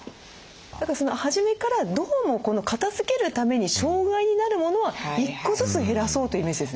だから初めからどうもこの片づけるために障害になるモノは１個ずつ減らそうというイメージですね。